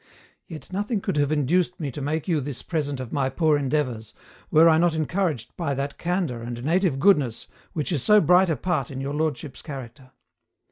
Yet, nothing could have induced me to make you this present of my poor endeavours, were I not encouraged by that candour and native goodness which is so bright a part in your lordship's character.